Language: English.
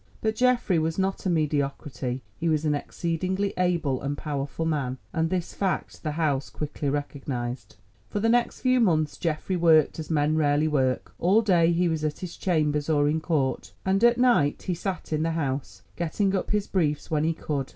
But Geoffrey was not a mediocrity, he was an exceedingly able and powerful man, and this fact the House quickly recognised. For the next few months Geoffrey worked as men rarely work. All day he was at his chambers or in court, and at night he sat in the House, getting up his briefs when he could.